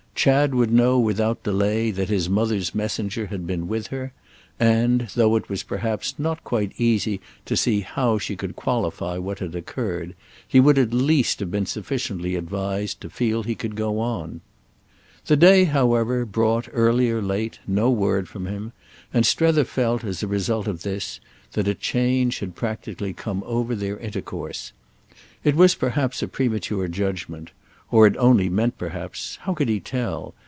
Chad would know without delay that his mother's messenger had been with her, and, though it was perhaps not quite easy to see how she could qualify what had occurred, he would at least have been sufficiently advised to feel he could go on. The day, however, brought, early or late, no word from him, and Strether felt, as a result of this, that a change had practically come over their intercourse. It was perhaps a premature judgement; or it only meant perhaps—how could he tell?